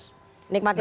nikmati prosesnya ya